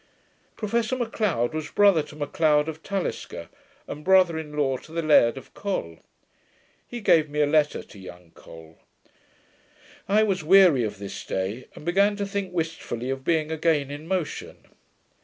Professor Macleod was brother to Macleod of Talisker, and brother in law to the Laird of Col. He gave me a letter to young Col. I was weary of this day, and began to think wishfully of being again in motion.